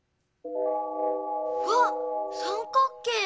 わっ三角形！